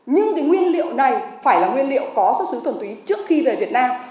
nhưng cái nguyên liệu này phải là nguyên liệu có xuất xứ thuần túy trước khi về việt nam